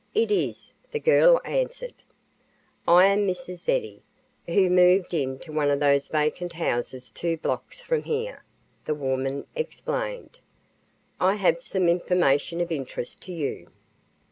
"It is," the girl answered. "I am Mrs. Eddy, who moved into one of those vacant houses two blocks from here," the woman explained. "I have some information of interest to you."